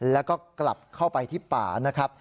แล้วก็กลับเข้าไปที่ป่านะครับ